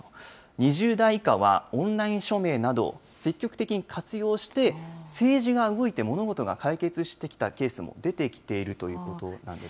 ２０代以下はオンライン署名など、積極的に活用して、政治が動いて物事が解決してきたケースも出てきているということなんです。